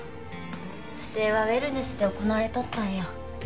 不正はウェルネスで行われとったんやよ